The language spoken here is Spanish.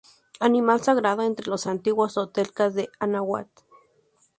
Animal sagrado entre los antiguos toltecas del anáhuac.